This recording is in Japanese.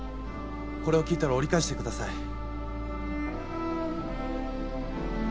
これを聞いたら折り返してください。